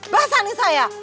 basah nih saya